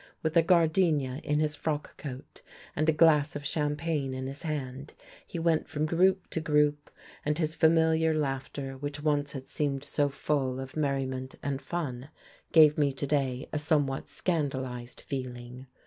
With a gardenia in his frock coat and a glass of champagne in his hand he went from group to group; and his familiar laughter, which once had seemed so full of merriment and fun, gave me to day a somewhat scandalized feeling.